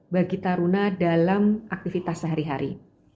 bagi taruna dalam aktivitas sehari hari